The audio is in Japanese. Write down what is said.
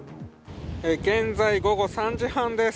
現在、午後３時半です。